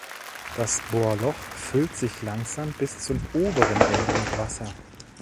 Das Bohrloch füllt sich langsam bis zum oberen Ende mit Wasser.